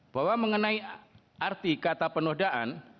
bahwa mengenai arti kata penodaan